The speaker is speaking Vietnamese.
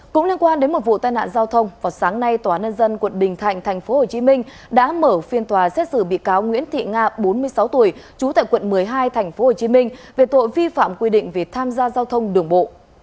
cũng liên quan đến một vụ tai nạn giao thông vào sáng nay tòa nhân dân quận bình thạnh tp hcm đã mở phiên tòa xét xử bị cáo nguyễn thị nga bốn mươi sáu tuổi trú tại quận một mươi hai tp hcm về tội vi phạm quy định về tham gia giao thông đường bộ